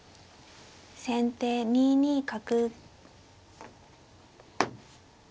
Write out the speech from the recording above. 先手２二角。